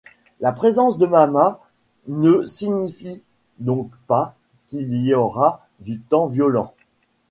La présence de mammas ne signifie donc pas qu'il y aura du temps violent.